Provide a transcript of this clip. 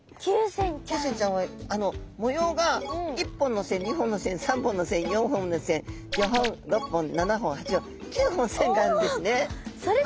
キュウセンちゃんは模様が１本の線２本の線３本の線４本の線５本６本７本８本９本線があるんですね。